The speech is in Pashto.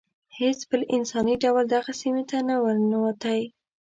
هیڅ بل انساني ډول دغه سیمې ته نه و ننوتی.